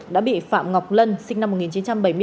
đã bị phạm ngọc lân sinh năm một nghìn chín trăm bảy mươi bốn